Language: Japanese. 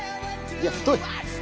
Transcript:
いや太い！